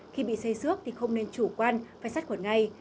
khi bị xây xước thì không nên chủ quan phải sát khuẩn ngay